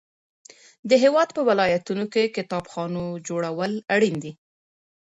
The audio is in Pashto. د هیواد په ولایتونو کې کتابخانو جوړول اړین دي.